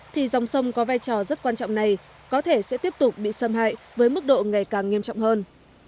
thì dòng sông có vai trò rất quan trọng này có thể sẽ tiếp tục bị xâm hại với mức độ ngày càng nghiêm trọng hơn